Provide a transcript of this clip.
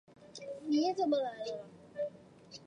天目山由粗面岩和流纹岩等构成。